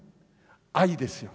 愛ですよ。